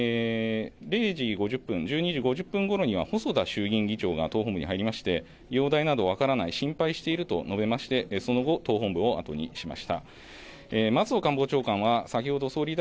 また０時５０分１２時５０分ごろには細田衆議院議長が党本部に入りまして容体などは分からない心配していると述べましてその後党本部を後にしました。